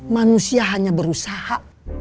manusia hanya berusaha